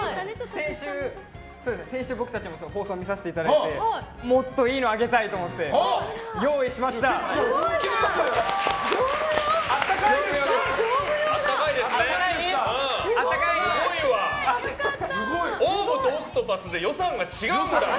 先週、僕たちも放送を見させていただいてもっといいのあげたいと思ってすごいじゃん。